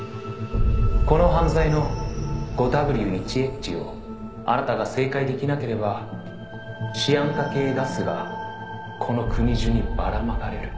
「この犯罪の５Ｗ１Ｈをあなたが正解できなければシアン化系ガスがこの国中にばらまかれる」